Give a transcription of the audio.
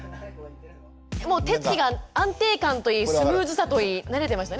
もう手つきが安定感といいスムーズさといい慣れてましたね。